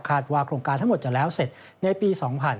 ว่าโครงการทั้งหมดจะแล้วเสร็จในปี๒๕๕๙